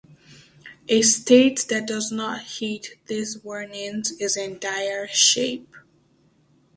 A state that does not heed these warnings is in dire shape.